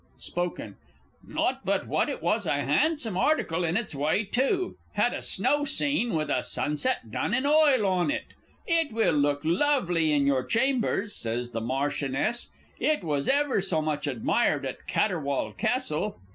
Spoken Not but what it was a handsome article in its way, too, had a snow scene with a sunset done in oil on it. "It will look lovely in your chambers," says the Marchioness; "it was ever so much admired at Catterwall Castle!"